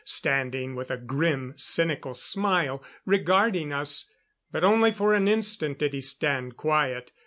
Standing with a grim, cynical smile, regarding us. But only for an instant did he stand quiet.